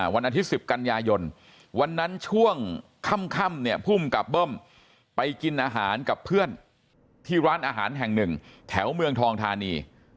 วันอาทิตย์๑๐กันยายนวันนั้นช่วงค่ำเนี่ยภูมิกับเบิ้มไปกินอาหารกับเพื่อนที่ร้านอาหารแห่งหนึ่งแถวเมืองทองทานี